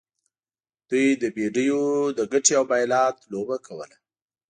دوی د بیډیو د ګټې او بایلات لوبه کوله.